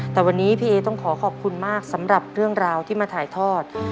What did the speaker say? แต่วันนี้พี่เอต้องขอขอบคุณมากสำหรับเรื่องราวที่มาถ่ายทอด